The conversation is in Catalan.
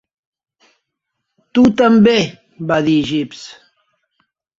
"Tu també", va dir Gibbs.